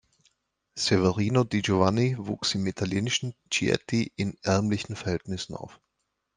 Severino di Giovanni wuchs im italienischen Chieti in ärmlichen Verhältnissen auf.